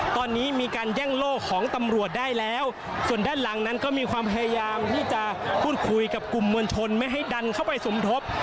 ตอนนี้มีการแย่งโล่ของตำรวจได้แล้วส่วนด้านหลังนั้นก็มีความพยายามที่จะพูดคุยกับกลุ่มมวลชนไม่ให้ดันเข้าไปสมทบ